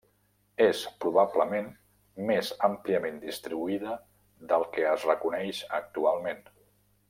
És probablement més àmpliament distribuïda del que es reconeix actualment.